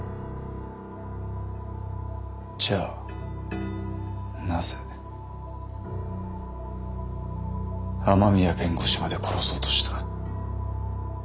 じゃあなぜ雨宮弁護士まで殺そうとした？